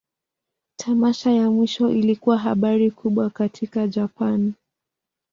Tamasha ya mwisho ilikuwa habari kubwa katika Japan.